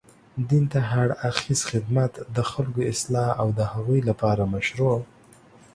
دين ته هر اړخيزه خدمت، د خلګو اصلاح او د هغوی لپاره مشروع